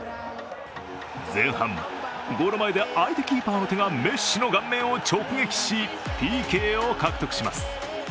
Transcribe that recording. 前半、ゴール前で相手キーパーの手がメッシの顔面を直撃しＰＫを獲得します。